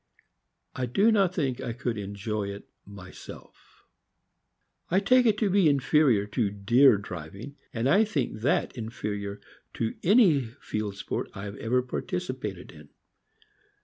I do not think I could enjoy it myself. THE FOXHOUND. 195 I take it to be inferior to deer driving, and I think that infe rior to any field sport I ever participated in.